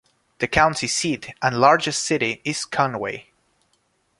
The county seat and largest city is Conway.